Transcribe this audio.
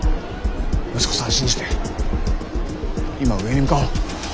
息子さんを信じて今は上に向かおう。